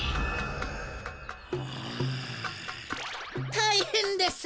たいへんです！